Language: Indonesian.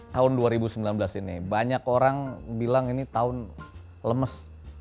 tahun dua ribu sembilan belas ini banyak orang bilang ini tahun lemes